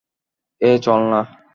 এই চল না।